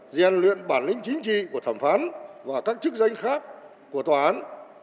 rèn luyện bản lĩnh chính trị của thẩm phán và các chức danh khác của tòa án